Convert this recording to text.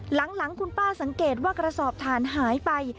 หลังคุณป้าสังเกตว่ากระสอบถ่านหายไป